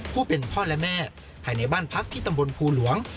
ผู้เป็นพ่อและแม่ภายในบ้านพักที่ตำบลภูหลวง